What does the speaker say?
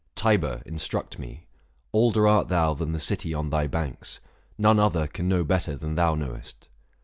Tiber, instruct me : older art thou than The city on thy banks ; none other can Know better than thou knowest.